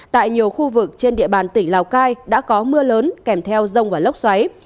tại nhiều khu vực trên địa bàn tỉnh lào cai đã có mưa lớn kèm theo rông và lốc xoáy